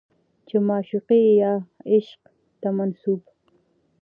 چې معشوقې يا عاشق ته منسوب